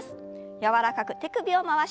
柔らかく手首を回します。